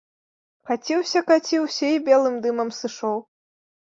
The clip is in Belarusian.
Каціўся, каціўся і белым дымам сышоў.